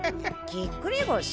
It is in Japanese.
ぎっくり腰？